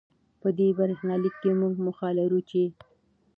په دې برېښنالیک کې، موږ موخه لرو چې